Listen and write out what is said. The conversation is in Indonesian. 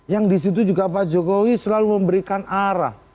yang disitu juga pak jokowi selalu memberikan arah